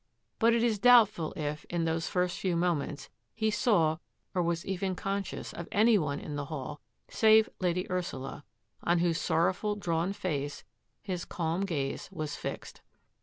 But it is doubtful if, in those first few moments, he saw or was even conscious of any one in the hall save Lady Ursula, on whose sorrowful, drawn face his calm gaze was fixed.